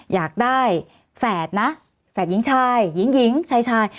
อยากได้แฝดนะแฝดหญิงชายหญิงชาย